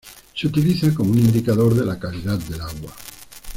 Se utiliza como un indicador de la calidad de agua.